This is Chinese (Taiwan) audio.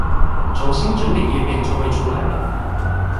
重新整理頁面就會出來了